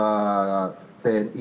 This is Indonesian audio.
korban dua anggota